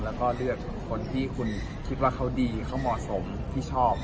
แล้วก็เลือกคนที่คุณคิดว่าเขาดีเขาเหมาะสมที่ชอบ